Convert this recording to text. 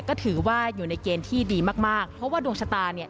ก็ถือว่าอยู่ในเกณฑ์ที่ดีมากมากเพราะว่าดวงชะตาเนี่ย